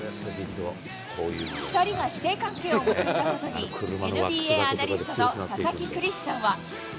２人が師弟関係を結んだことに、ＮＢＡアナリストの佐々木クリスさんは。